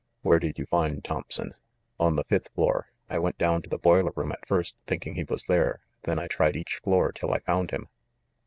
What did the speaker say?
"Where did you find Thompson?" "On the fifth floor. I went down to the boiler room at first, thinking he was there ; then I tried each floor till I found him."